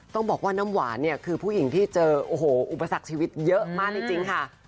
ต้องบอกว่าน้ำหวานเนี่ยคือผู้หญิงที่เจอโอ้โหอุปสรรคชีวิตเยอะมากจริงค่ะ